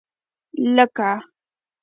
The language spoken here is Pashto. لکه